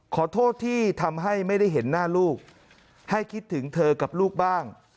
ขอโทษที่ทำให้ไม่ได้เห็นหน้าลูกให้คิดถึงเธอกับลูกบ้าง